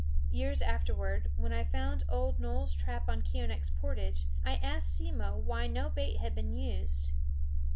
Years afterward, when I found old Noel's trap on Keeonekh's portage, I asked Simmo why no bait had been used.